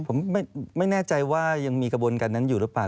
ผมไม่แน่ใจว่ายังมีกระบวนการนั้นอยู่หรือเปล่า